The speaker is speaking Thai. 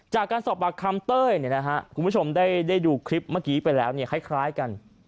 จากการสอบปากคำเต้ยคุณผู้ชมได้ดูคลิปเมื่อกี้ไปแล้วคล้ายกัน